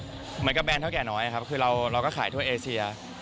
เหมือนกับแบรนด์เท่าแก่น้อยเราก็ขายทั่วเอเซีย